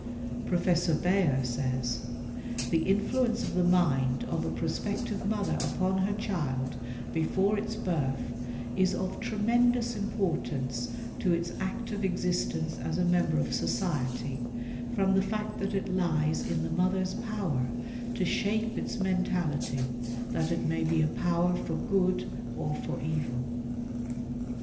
Professor Bayer says: "The influence of the mind of a prospective mother upon her child, before its birth, is of tremendous importance to its active existence as a member of society, from the fact that it lies in the mother's power to shape its mentality, that it may be a power for good or for evil."